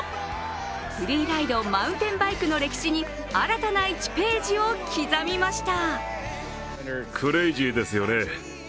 フリーライド・マウンテンバイクの歴史に新たな１ページを刻みました。